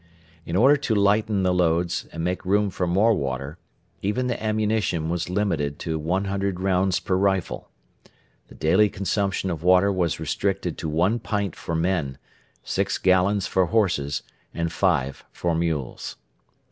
In order to lighten the loads and make room for more water, even the ammunition was limited to 100 rounds per rifle. The daily consumption of water was restricted to one pint for men, six gallons for horses, and five for mules.